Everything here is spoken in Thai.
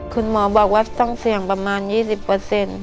คุณหมอบอกว่าต้องเสี่ยงประมาณ๒๐เปอร์เซ็นต์